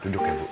duduk ya bu